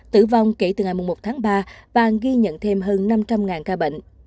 tử vong kể từ ngày một tháng ba bang ghi nhận thêm hơn năm trăm linh ca bệnh